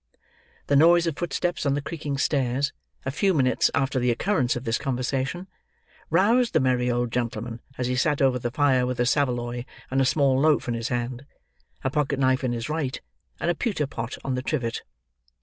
The noise of footsteps on the creaking stairs, a few minutes after the occurrence of this conversation, roused the merry old gentleman as he sat over the fire with a saveloy and a small loaf in his hand; a pocket knife in his right; and a pewter pot on the trivet.